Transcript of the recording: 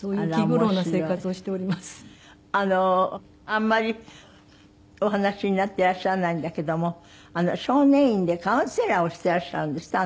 あんまりお話しになっていらっしゃらないんだけども少年院でカウンセラーをしていらっしゃるんですって？